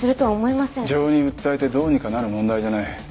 情に訴えてどうにかなる問題じゃない。